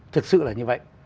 thực sự là như vậy